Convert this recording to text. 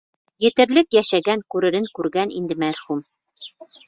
Етерлек йәшәгән, күререн күргән инде мәрхүм.